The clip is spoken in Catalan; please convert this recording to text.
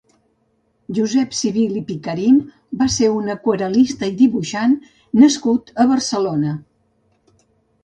Josep Civil i Picarín va ser un aquarel·lista i dibuixant nascut a Barcelona.